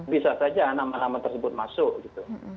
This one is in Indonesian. bisa saja nama nama tersebut masuk gitu